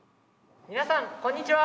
皆さんこんにちは！